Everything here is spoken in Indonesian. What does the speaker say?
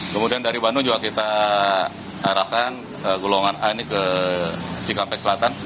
kemudian dari bandung juga kita arahkan golongan a ini ke cikampek selatan